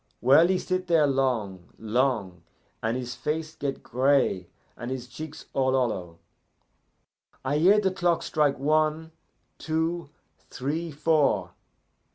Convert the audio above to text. Well, he sit there long long, and his face get gray and his cheeks all hollow. "I hear the clock strike one! two! three! four!